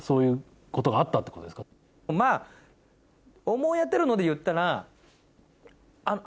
まぁ思い当たるので言ったら。